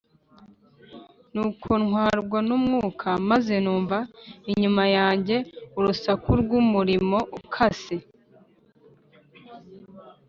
Nuko ntwarwa n’umwuka, maze numva inyuma yanjye urusaku rw’umurimo ukase